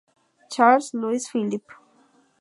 Charles-Louis Philippe